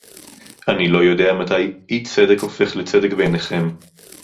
אני לא יודע מתי אי-צדק הופך לצדק בעיניכם